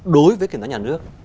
đối với kiểm toán nhà nước